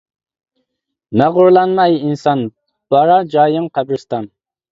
مەغرۇرلانما ھەي ئىنسان، بارار جايىڭ قەبرىستان.